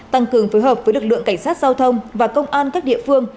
tăng cường phối hợp với lực lượng cảnh sát giao thông và công an các địa phương